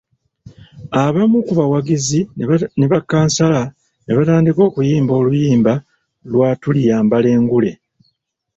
Abamu ku bawagizi ne bakkansala ne batandika okuyimba oluyimba lwa Tuliyambala engule .